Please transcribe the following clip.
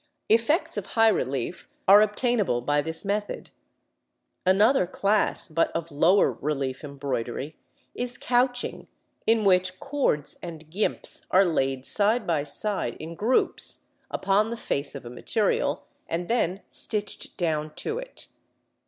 Effects of high relief are obtainable by this method. Another class, but of lower relief embroidery, is couching (Fig. 5), in which cords and gimps are laid side by side, in groups, upon the face of a material, and then stitched down to it.